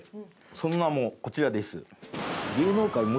その名もこちらです。